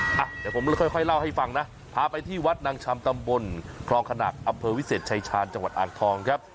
เดี๋ยวผมค่อยเล่าให้ฟังนะพาไปที่วัดนางชำตำบลคลองขหนักอำเภอวิเศษชายชาญจังหวัดอ่างทองครับ